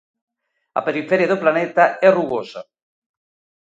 A periferia do planeta é rugosa.